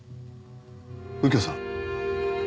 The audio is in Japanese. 右京さん。